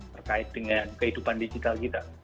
terkait dengan kehidupan digital kita